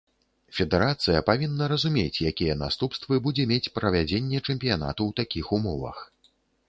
Федэрацыя павінна разумець, якія наступствы будзе мець правядзенне чэмпіянату ў такіх умовах.